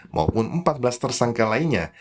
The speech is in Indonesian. maupun empat belas tersangka lainnya